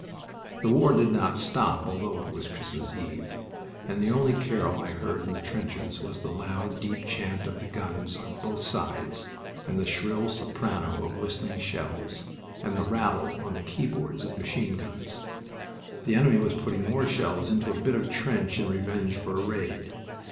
The war did not stop, although it was Christmas Eve, and the only carol I heard in the trenches was the loud, deep chant of the guns on both sides, and the shrill soprano of whistling shells, and the rattle on the keyboards of machine guns. The enemy was putting more shells into a bit of trench in revenge for a raid.